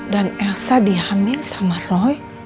dan elsa dihamil sama roy